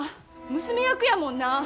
娘役やもんな。